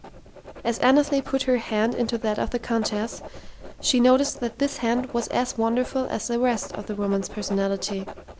As Annesley put her hand into that of the Countess, she noticed that this hand was as wonderful as the rest of the woman's personality.